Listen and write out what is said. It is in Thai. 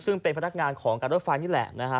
ซึ่งเป็นพนักงานของการรถไฟนี่แหละนะฮะ